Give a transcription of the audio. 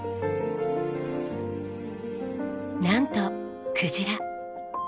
なんとクジラ。